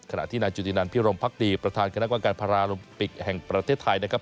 ขณะที่นายจุตินันพิรมพักดีประธานคณะกรรมการพาราโลมปิกแห่งประเทศไทยนะครับ